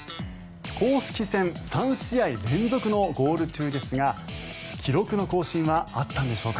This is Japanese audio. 公式戦３試合連続のゴール中ですが記録の更新はあったんでしょうか。